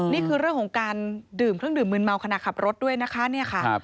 นี่คือเรื่องของการดื่มเครื่องดื่มมืนเมาขณะขับรถด้วยนะคะเนี่ยค่ะ